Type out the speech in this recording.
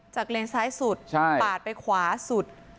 เลนซ้ายสุดปาดไปขวาสุด